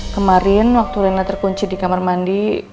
kemarin waktu rena terkunci di kamar mandi